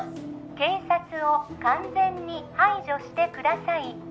警察を完全に排除してください